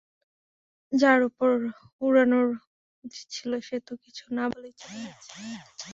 যার উপর উড়ানোর উচিত ছিল সে তো কিছু না বলেই চলে গেছে।